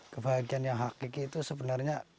kebahagiaan yang hakiki itu sebenarnya